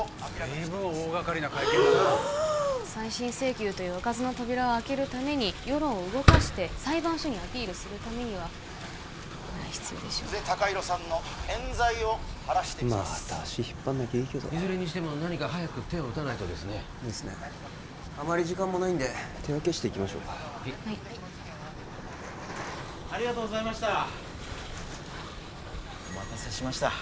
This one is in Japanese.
随分大がかりな会見だなあ再審請求という開かずの扉を開けるために世論を動かして裁判所にアピールするためにはこれぐらい必要でしょう久世貴弘さんの冤罪を晴らしてみせますまた足引っ張んなきゃいいけどいずれにしても何か早く手を打たないとですねあまり時間もないんで手分けしていきましょうかありがとうございましたお待たせしました